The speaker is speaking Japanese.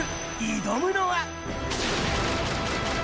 挑むのは。